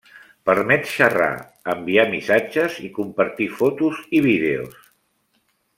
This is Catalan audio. Permet xerrar, enviar missatges i compartir fotos i vídeos.